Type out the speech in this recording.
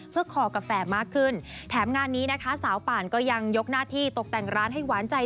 เพื่อคอกาแฟมากขึ้นแถมงานนี้นะคะสาวป่านก็ยังยกหน้าที่ตกแต่งร้านให้หวานใจ